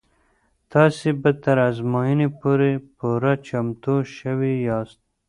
تاسې به تر ازموینې پورې پوره چمتو شوي یاست.